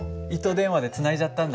電話でつないじゃったんだ。